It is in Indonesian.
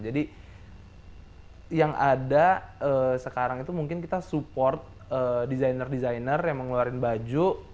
jadi yang ada sekarang itu mungkin kita support desainer desainer yang mengeluarin baju